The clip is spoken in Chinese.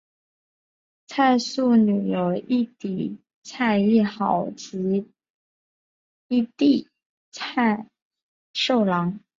蔡素女有一姊蔡亦好及一弟蔡寿郎。